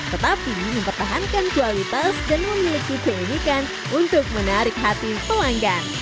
tetapi mempertahankan kualitas dan memiliki keunikan untuk menarik hati pelanggan